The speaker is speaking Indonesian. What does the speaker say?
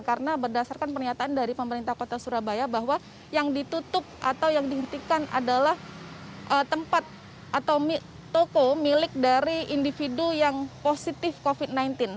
karena berdasarkan pernyataan dari pemerintah kota surabaya bahwa yang ditutup atau yang dihentikan adalah tempat atau toko milik dari individu yang positif covid sembilan belas